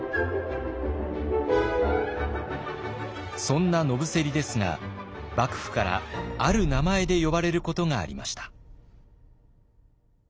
そんな野伏ですが幕府からある名前で呼ばれることがありました。